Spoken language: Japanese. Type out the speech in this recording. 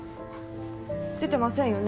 出てませんよね？